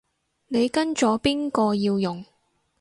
你跟咗邊個要用